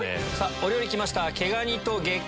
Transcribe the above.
お料理きました。